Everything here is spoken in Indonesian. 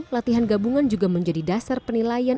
latihan gabungan juga menjadi dasar penilaian